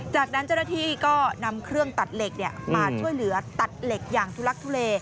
จากนั้นเจ้าหน้าที่ก็นำเครื่องตัดเหล็กมาช่วยเหลือตัดเหล็กอย่างทุลักทุเล